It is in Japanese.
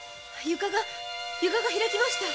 床が開きました。